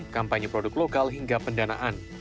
kampanye produk lokal hingga pendanaan